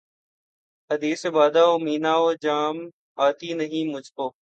حدیث بادہ و مینا و جام آتی نہیں مجھ کو